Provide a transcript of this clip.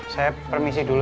saya permisi dulu